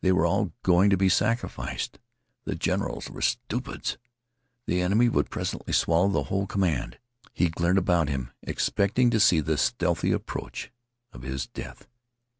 They were all going to be sacrificed. The generals were stupids. The enemy would presently swallow the whole command. He glared about him, expecting to see the stealthy approach of his death.